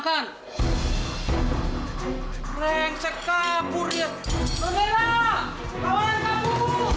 soalnya pas akan pindah depressi batas haya tidak gillian